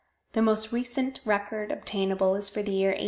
The most recent record obtainable is for the year 1898.